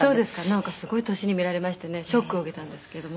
なんかすごい年に見られましてねショックを受けたんですけども」